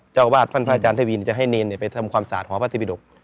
เจ้าบาทพันธ์พระอาจารย์เทพีจะให้เนรไปทำความสาธิ์หอพระไตยปิดก